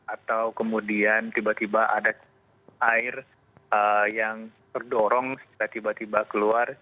atau kemudian tiba tiba ada air yang terdorong setelah tiba tiba keluar